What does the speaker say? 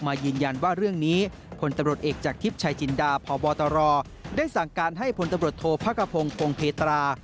ซึ่งท่านผู้สั่งการให้พลตำรวจโทพักภพงธ์โคนเผตระ